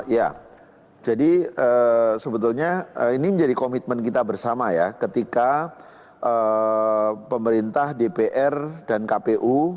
ya jadi sebetulnya ini menjadi komitmen kita bersama ya ketika pemerintah dpr dan kpu